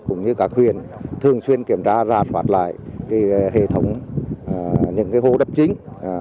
cũng như các huyện thường xuyên kiểm tra rà soát lại hệ thống những hồ đập chính